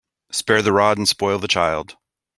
Spare the rod and spoil the child.